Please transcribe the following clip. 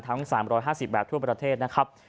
ทั้ง๓๕๐แบบทั่วประเทศนะครับ